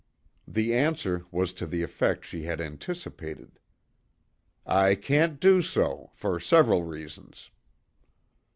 The answer was to the effect she had anticipated. "I can't do so, for several reasons."